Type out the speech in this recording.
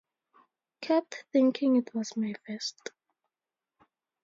Kept thinking it was my vest.